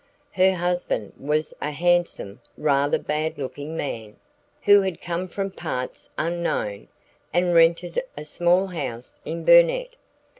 Her husband was a handsome, rather bad looking man, who had come from parts unknown, and rented a small house in Burnet.